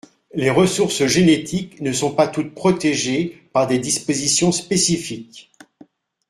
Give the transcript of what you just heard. Les ressources génétiques ne sont pas toutes protégées par des dispositions spécifiques.